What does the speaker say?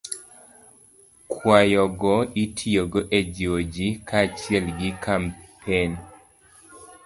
Kwayogo itiyogo e jiwo ji kaachiel gi kampen